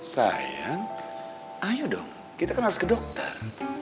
sayang ayo dong kita kan harus ke dokter